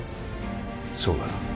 そうだな